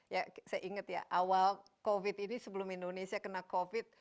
ya saya ingat ya awal covid ini sebelum indonesia kena covid